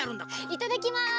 いただきます！